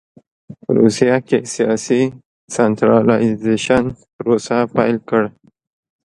په روسیه کې سیاسي سنټرالایزېشن پروسه پیل کړ.